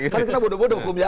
karena kita bodoh bodoh hukum ya